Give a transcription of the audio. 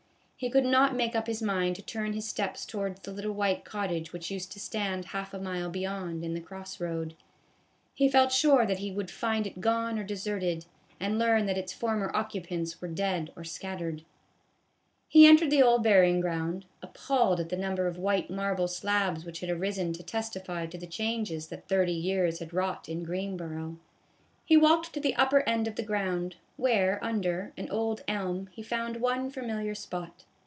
He could not make up his mind to turn his steps towards the little white cottage which used to stand half a mile beyond, in the cross road. He felt sure that he would find it gone or deserted, and learn that its former occupants were dead or scattered. A BAG OF POP CORN. I /I He entered the old burying ground, appalled at the number of white marble slabs which had arisen to testify to the changes that thirty years had wrought in Greenboro. He walked to the upper end of the ground, where under, an old elm, he found one familiar spot.